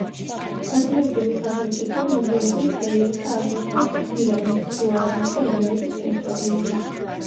ღაზნევიდების სახელმწიფომ მოგვიანებით შეიერთა, აგრეთვე, ირანის, შუა აზიის და ინდოეთის ტერიტორიები.